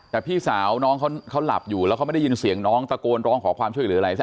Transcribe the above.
แต่พี่สาวน้องเขาหลับอยู่แล้วเขาไม่ได้ยินเสียงน้องตะโกนร้องขอความช่วยเหลืออะไรซะ